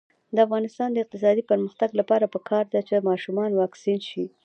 د افغانستان د اقتصادي پرمختګ لپاره پکار ده چې ماشومان واکسین شي.